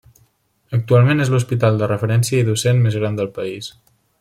Actualment és l'hospital de referència i docent més gran del país.